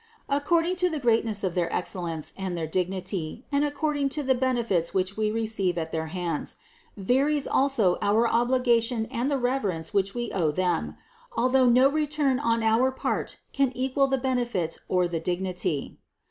According to the greatness of their excellence and their dignity and according to the benefits which we receive at their hands, THE CONCEPTION 431 varies also our obligation and the reverence which we owe them, although no return on our part can equal the benefit or the dignity.